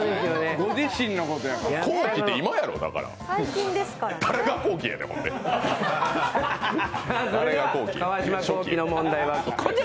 ご自身のことやから。